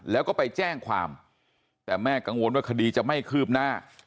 แล้วก็ไปแจ้งความแต่แม่กังวลว่าคดีจะไม่คืบหน้า